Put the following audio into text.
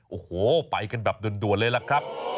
โอ้โหไปกันแบบด่วนเลยล่ะครับ